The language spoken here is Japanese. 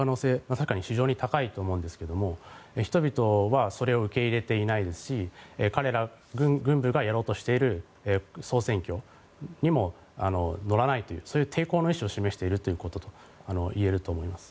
確かに非常に高いと思うんですが人々はそれを受け入れていないですし彼ら、軍部がやろうとしている総選挙にも乗らないというそういう抵抗の意思を示しているといえると思います。